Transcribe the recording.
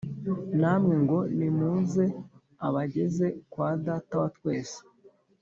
namwe ngo nimuzeabageze kwadata watwese